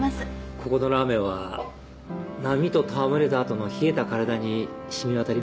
ここのラーメンは波と戯れた後の冷えた体に染み渡ります。